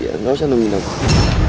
kalau tante mau pulang pulang aja